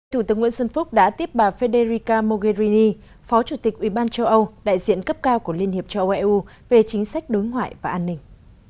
thủ tướng nguyễn xuân phúc đã tiếp bà federica mogherini phó chủ tịch ủy ban châu âu đại diện cấp cao của liên hiệp châu âu eu về chính sách đối ngoại và an ninh